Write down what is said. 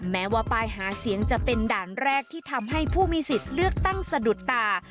แม้ว่าป้ายหาเสียงจะเป็นด่านแรกที่ทำให้ผู้มีสิทธิ์เลือกตั้งสะดุดตา